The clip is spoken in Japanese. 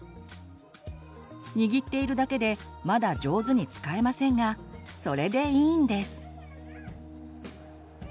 握っているだけでまだじょうずに使えませんがそれでいいんです。